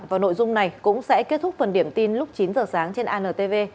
và nội dung này cũng sẽ kết thúc phần điểm tin lúc chín giờ sáng trên antv